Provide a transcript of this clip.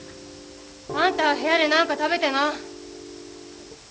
あんたは部屋で何か食べてな。